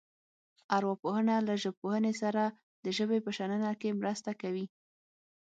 ارواپوهنه له ژبپوهنې سره د ژبې په شننه کې مرسته کوي